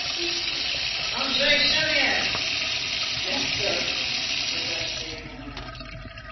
"Who, sir?" "André Chénier!" "Yes, sir," said Basque in alarm.